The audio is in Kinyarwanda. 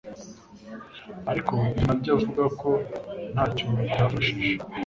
Ariko ibyo nabyo avuga ko ntacyo byafashije.